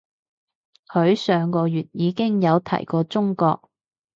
佢上個月已經有提過中國